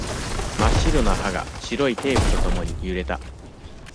真っ白な歯が、白いテープとともにゆれた。